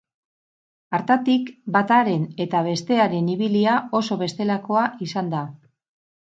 Hartatik, bataren eta bestearen ibilia oso bestelakoa izan da.